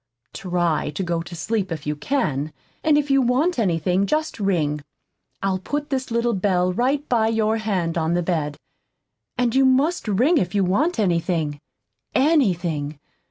TRY to go to sleep if you can. And if you want anything, just ring. I'll put this little bell right by your hand on the bed; and you must ring if you want anything, ANYTHING.